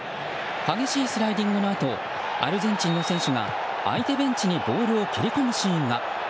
激しいスライディングのあとアルゼンチンの選手が相手ベンチにボールを蹴り込むシーンが。